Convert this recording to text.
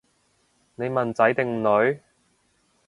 你問仔定女？